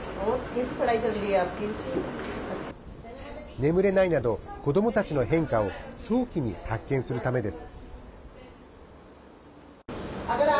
眠れないなど子どもたちの変化を早期に発見するためです。